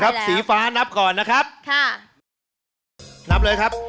สีฟ้านับก่อนนะครับค่ะนับเลยครับ